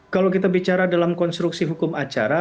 kalau kita bicara dalam konstruksi hukum acara